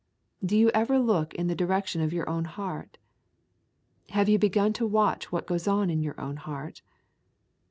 Do you ever look in the direction of your own heart? Have you begun to watch what goes on in your own heart?